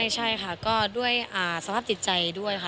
ใช่ค่ะก็ด้วยสภาพจิตใจด้วยค่ะ